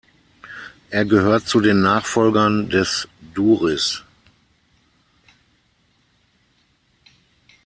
Er gehört zu den Nachfolgern des Duris.